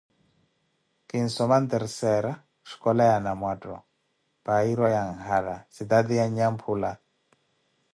Kinsoma nterseyira, xkola wa Nanwattho, payiro ya N`hala, sitate ya N`nyamphula.